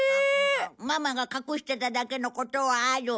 ママが隠してただけのことはある。